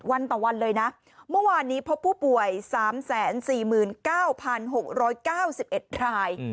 วันต่อวันเลยนะเมื่อวานนี้เพราะผู้ป่วยสามแสนสี่หมื่นเก้าพันหกร้อยเก้าสิบเอ็ดทราย